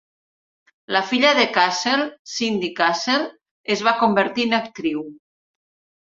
La fills de Cassell, Cindy Cassell, es va convertir en actriu.